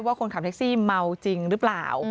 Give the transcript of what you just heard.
คนขับแท็กซี่เมาจริงหรือเปล่า